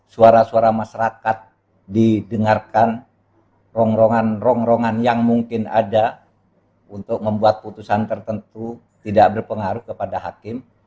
suara suara masyarakat didengarkan rongrongan rongrongan yang mungkin ada untuk membuat putusan tertentu tidak berpengaruh kepada hakim